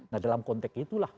nah dalam konteks itulah